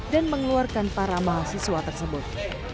dan mengeluarkan para mahasiswa tersebut